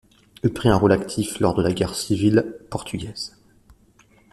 Il prit un rôle actif lors de la guerre civile portugaise.